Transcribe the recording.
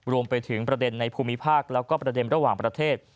รวมไปถึงประเด็นในภูมิภาคแล้วก็ประเด็นระหว่างประเทศ